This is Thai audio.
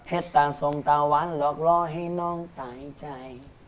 เห็ดตาสมตาวันหลอกหลอกให้น้องตายใจ